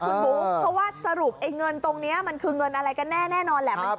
เพราะว่าสรุปไอ้เงินตรงเนี้ยมันคือเงินอะไรกันแน่แน่นอนแหละครับ